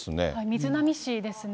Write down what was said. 瑞浪市ですね。